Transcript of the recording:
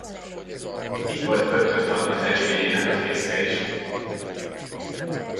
Itt volt Pöttöm Panna fecskéjének a fészke is.